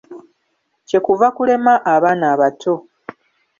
Kye kuva kulema abaana abato.